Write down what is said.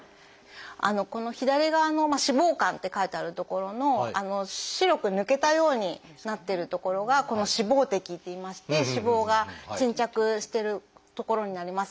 この左側の「脂肪肝」って書いてある所の白く抜けたようになっている所が「脂肪滴」っていいまして脂肪が沈着している所になります。